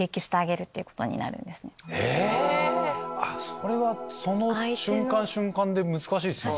それはその瞬間瞬間で難しいっすよね。